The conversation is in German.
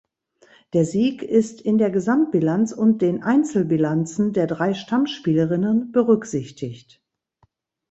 Der Sieg ist in der Gesamtbilanz und den Einzelbilanzen der drei Stammspielerinnen berücksichtigt.